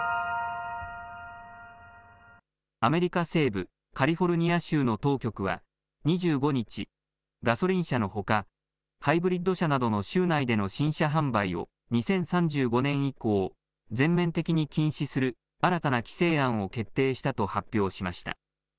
アメリカ西部カリフォルニア州の当局は２５日、ガソリン車のほかハイブリッド車などの州内での新車販売を２０３５年以降全面的に禁止する新たな規制案を決定したと発表しました。